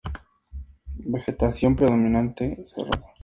Vegetación predominante: cerrado.